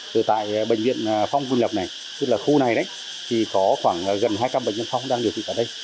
từ tại bệnh viện phong quân lập này tức là khu này đấy thì có khoảng gần hai trăm linh bệnh nhân phong đang điều trị tại đây